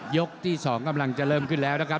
ยกที่สองกำลังจะเริ่มก่อนเดี๋ยวนะครับ